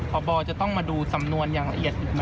ตอนนี้หัวบอกจะต้องมาดูสำนวนอย่างละเอียดให้ดีไหมครับ